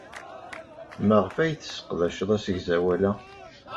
Maɣef ay tesseqdaced asegzawal-a?